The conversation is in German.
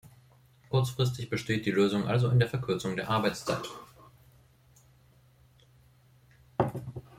Kurzfristig besteht die Lösung also in der Verkürzung der Arbeitszeit.